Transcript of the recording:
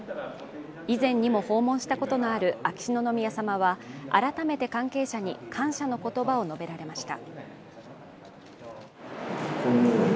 以前にも訪問したことのある秋篠宮さまは、改めて関係者に感謝の言葉を述べられました。